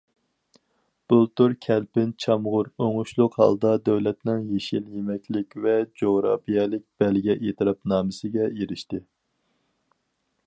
بۇلتۇر كەلپىن چامغۇرى ئوڭۇشلۇق ھالدا دۆلەتنىڭ يېشىل يېمەكلىك ۋە جۇغراپىيەلىك بەلگە ئېتىراپنامىسىگە ئېرىشتى.